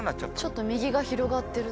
ちょっと右が広がってる。